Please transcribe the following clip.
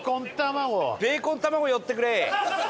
ベーコン玉子寄ってくれい。